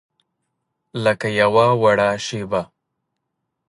لکه یوه وړه شیبه